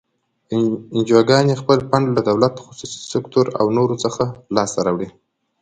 انجوګانې خپل فنډ له دولت، خصوصي سکتور او نورو څخه لاس ته راوړي.